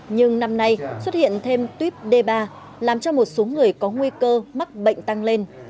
nhưng năm nay xuất hiện thêm tuyếp d ba làm cho một số người có nguy cơ mắc bệnh tăng lên